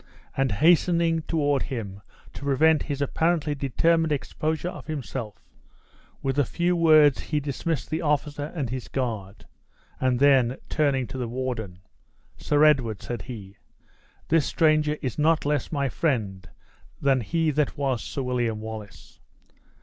And hastening toward him to prevent his apparently determined exposure of himself, with a few words he dismissed the officer and his guard; and then, turning to the warden, "Sir Edward," said he, "this stranger is not less my friend than he that was Sir William Wallace!"